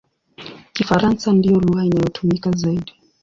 Kifaransa ndiyo lugha inayotumika zaidi.